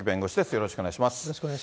よろしくお願いします。